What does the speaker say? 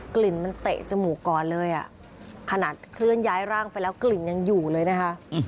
กลิ่นมันเตะจมูกก่อนเลยอ่ะขนาดเคลื่อนย้ายร่างไปแล้วกลิ่นยังอยู่เลยนะคะ